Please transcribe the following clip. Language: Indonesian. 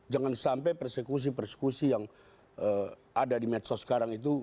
jangan sampai persekusi persekusi yang ada di medsos sekarang itu